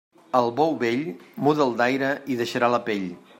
Al bou vell, muda'l d'aire i deixarà la pell.